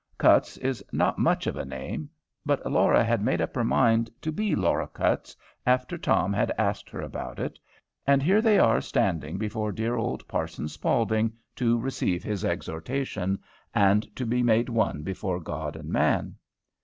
Cutts is not much of a name. But Laura had made up her mind to be Laura Cutts after Tom had asked her about it, and here they are standing before dear old Parson Spaulding, to receive his exhortation, and to be made one before God and man.